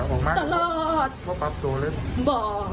ตลอดบ่แห้งหนักก็เก่าที่แถวนี้อย่างนี้